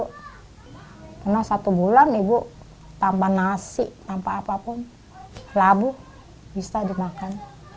karena satu bulan ibu tanpa nasi tanpa apapun labu bisa dimakan